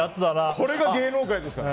これが芸能界ですから。